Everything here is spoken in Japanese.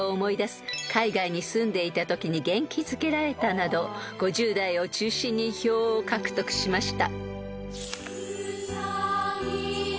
［など５０代を中心に票を獲得しました］